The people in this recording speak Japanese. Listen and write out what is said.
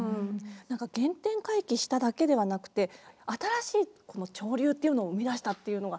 原点回帰しただけではなくて新しい潮流っていうのを生み出したっていうのが。